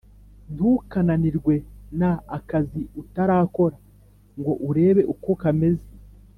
Ntukananirwe na akazi utara kora ngo urebe uko kameze